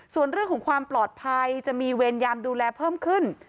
ส่วนเรื่องของความปลอดภัยจะมีเวรยามดูแลเพิ่มขึ้น